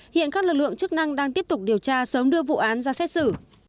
hiện các lực lượng chức năng đang tiếp tục điều tra sớm đưa vụ án ra xét xử